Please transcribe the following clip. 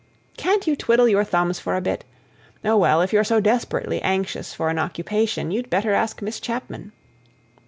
"Can't you twiddle your thumbs for a bit? Oh well, if you're so desperately anxious for an occupation, you'd better ask Miss Chapman."